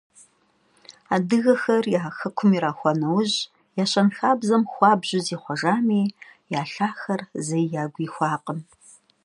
Адыгэхэр я хэкум ирахуа нэужь я щэнхабзэм хуабжьу зихъуэжами, я лъахэр зэи ягу ихуакъым.